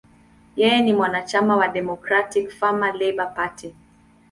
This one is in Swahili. Yeye ni mwanachama wa Democratic–Farmer–Labor Party.